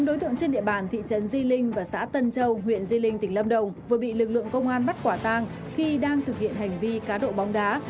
bốn đối tượng trên địa bàn thị trấn di linh và xã tân châu huyện di linh tỉnh lâm đồng vừa bị lực lượng công an bắt quả tang khi đang thực hiện hành vi cá độ bóng đá